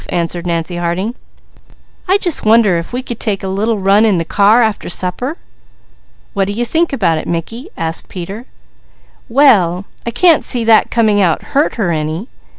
answered Nancy Harding. "I just wonder if we could take a little run in the car after supper?" "What do you think about it, Mickey?" asked Peter. "Why, I can't see that coming out hurt her any."